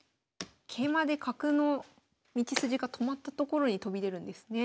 桂馬で角の道筋が止まったところに飛び出るんですね。